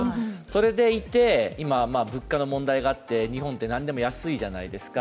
それでいて、今、物価の問題があって日本って何でも安いじゃないですか。